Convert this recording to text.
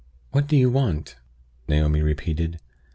"What do you want?" Naomi repeated.